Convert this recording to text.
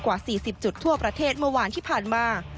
กว่า๔๐จุดทั่วประเทศเมื่อวานที่ผ่านมา